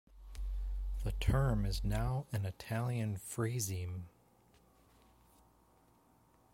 The term is now an Italian phraseme.